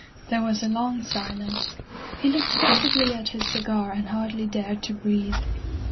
There was a long silence. He looked fixedly at his cigar and hardly dared to breathe.